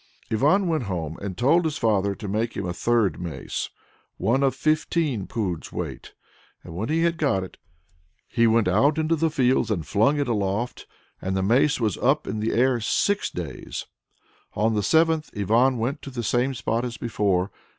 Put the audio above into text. Ivan went home and told his father to make him a third mace, one of fifteen poods weight. And when he had got it, he went out into the fields and flung it aloft. And the mace was up in the air six days. On the seventh Ivan went to the same spot as before.